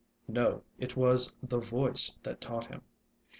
No, it was the voice that taught him.